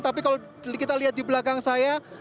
tapi kalau kita lihat di belakang saya